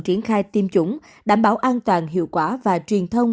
triển khai tiêm chủng đảm bảo an toàn hiệu quả và truyền thông